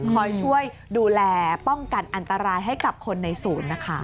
คอยช่วยดูแลป้องกันอันตรายให้กับคนในศูนย์นะคะ